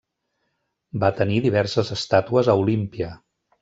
Va tenir diverses estàtues a Olímpia.